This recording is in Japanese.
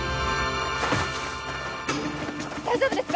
大丈夫ですか？